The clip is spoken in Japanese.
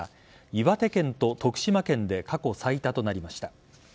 岩手県と徳島県で過去最多となりました。